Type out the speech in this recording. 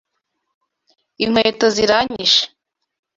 Inkweto ziranyishe.